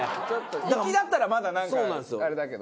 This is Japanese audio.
行きだったらまだなんかあれだけど。